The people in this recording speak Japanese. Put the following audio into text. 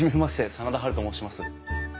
真田ハルと申します。